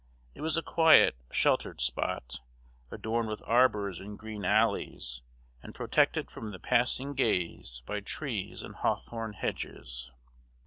It was a quiet, sheltered spot, adorned with arbors and green alleys, and protected from the passing gaze by trees and hawthorn hedges.